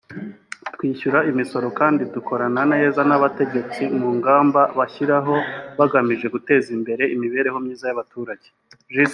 twishyura imisoro kandi dukorana neza n’abategetsi mu ngamba bashyiraho bagamije guteza imbere imibereho myiza y’abaturage